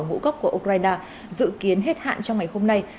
ngũ cốc của ukraine dự kiến hết hạn trong ngày hôm nay